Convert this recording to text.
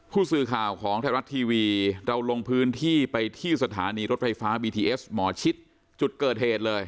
ผู้สื่อข่าวของไทยรัฐทีวีเราลงพื้นที่ไปที่สถานีรถไฟฟ้าบีทีเอสหมอชิดจุดเกิดเหตุเลย